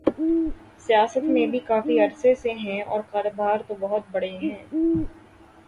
سیاست میں بھی کافی عرصے سے ہیں اور کاروباری تو بہت بڑے ہیں۔